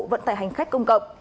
vận tải hành khách công cộng